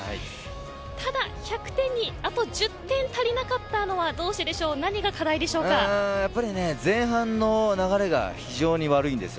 ただ１００点にあと１０点足りなかったのはどうしてでしょうやはり前半の流れが非常に悪いんです。